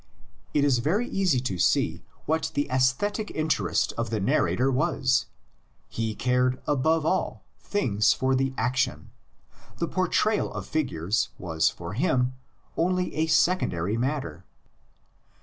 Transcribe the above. It is very easy to see what the aesthetic interest of the nar rator was: he cared above all things for the action; the portrayal of figures was for him only a second ary matter.